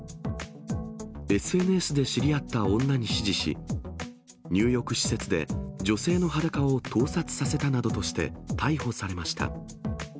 ＳＮＳで知り合った女に指示し、入浴施設で女性の裸を盗撮させたなどとして、逮捕されました。